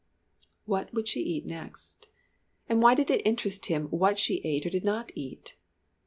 What would she eat next? And why did it interest him what she ate or did not eat?